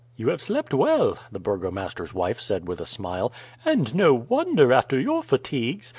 "You have slept well," the burgomaster's wife said with a smile; "and no wonder, after your fatigues.